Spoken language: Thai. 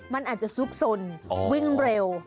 มันอาจจะซุกสนวิ่งเร็ว